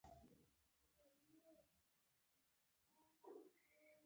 اوکرایین بیا دبشپړامنیتي ډاډ په لټه کې دی.